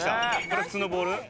これ普通のボール？